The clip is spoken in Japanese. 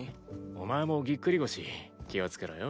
お前もギックリ腰気をつけろよ。